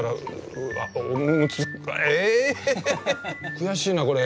悔しいなこれ。